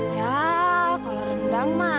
ya kalau rendang